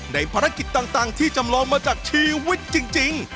ภารกิจต่างที่จำลองมาจากชีวิตจริง